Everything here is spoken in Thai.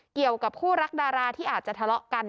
เกี่ยวกับคู่รักดาราที่อาจจะทะเลาะกัน